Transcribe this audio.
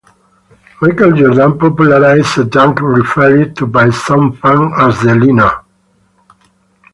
Michael Jordan popularized a dunk referred to by some fans as the "Leaner".